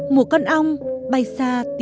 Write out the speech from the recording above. mùa con ong bay xa tối